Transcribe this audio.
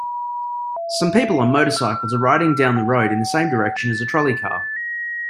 Some people on motorcycles are riding down the road in the same direction as a trolley car.